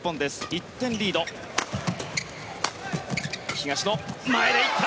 東野、前でいった！